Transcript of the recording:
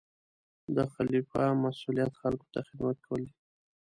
د خلیفه مسؤلیت خلکو ته خدمت کول دي.